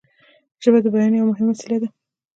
ژبه د بیان یوه مهمه وسیله ده